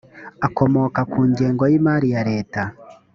akomoka ku ngengo y imari ya leta